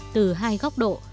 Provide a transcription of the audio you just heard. từ hai góc độ